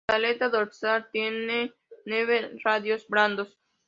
La aleta dorsal tiene nueve radios blandos.